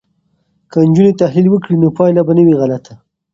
که نجونې تحلیل وکړي نو پایله به نه وي غلطه.